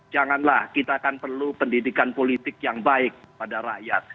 janganlah kita akan perlu pendidikan politik yang baik pada rakyat